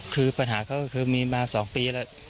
คือปัญหาเขาก็คือมีมา๒ปีแล้ว